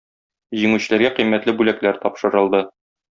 Җиңүчеләргә кыйммәтле бүләкләр тапшырылды.